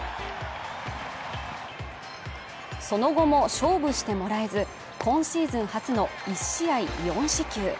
その後も勝負してもらえず、今シーズン初の１試合４四球。